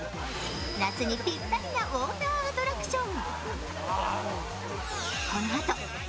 夏にぴったりなウォーターアトラクション。